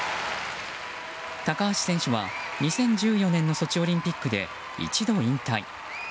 高橋選手は２０１４年のソチオリンピックで一度、引退。